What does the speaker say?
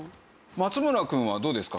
松村くんはどうですか？